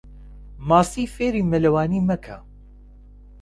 ماسی فێری مەلەوانی مەکە.